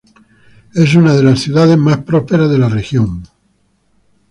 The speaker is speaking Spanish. Es una de las ciudades más prósperas de la región.